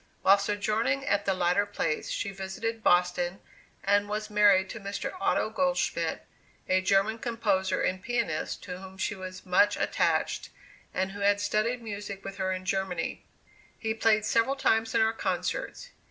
While sojourning at the latter place, she visited Boston and was married to Mr. Otto Goldschmidt, a German composer and pianist, to whom she was much attached, and who had studied music with her in Germany. He played several times in our concerts.